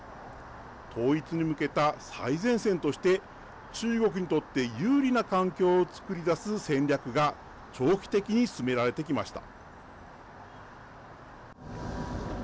統一に向けた最前線として中国にとって有利な環境をつくり出す戦略が長期的に進められてきました。